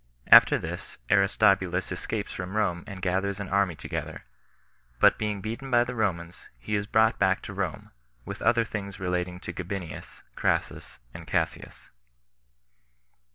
After This Aristobulus Escapes From Rome And Gathers An Army Together; But Being Beaten By The Romans, He Is Brought Back To Rome; With Other Things Relating To Gabinius, Crassus And Cassius.